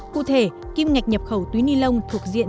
cụ thể kim ngạch nhập khẩu túi ni lông thuộc diện